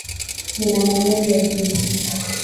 Nina maumivu ya jino